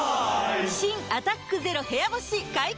新「アタックＺＥＲＯ部屋干し」解禁‼